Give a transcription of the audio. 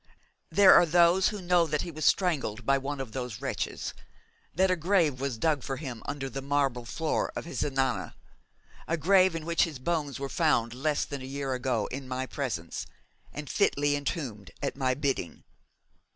There are those who know tint he was strangled by one of those wretches, that a grave was dug for him under the marble floor of his zenana, a grave in which his bones were found less than a year ago, in my presence, and fitly entombed at my bidding.